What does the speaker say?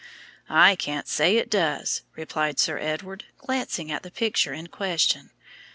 "I can't say it does," replied Sir Edward, glancing at the picture in question.